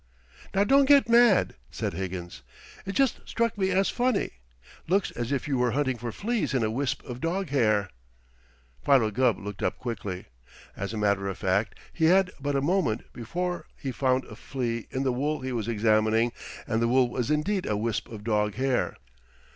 "Now, don't get mad," said Higgins. "It just struck me as funny. Looks as if you were hunting for fleas in a wisp of dog hair." Philo Gubb looked up quickly. As a matter of fact, he had but a moment before found a flea in the wool he was examining, and the wool was indeed a wisp of dog hair.